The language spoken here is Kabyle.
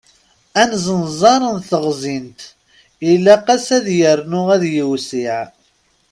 Anzenzaṛ n teɣẓint ilaq-as ad yernu ad yewsiε.